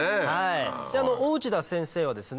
で大内田先生はですね